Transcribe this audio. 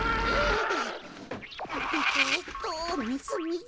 えっとみずみず。